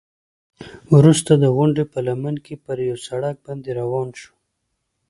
وروسته د غونډۍ په لمن کې پر یوه سړک باندې روان شوو.